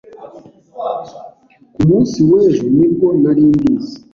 Ku munsi w'ejo ni bwo nari mbizi.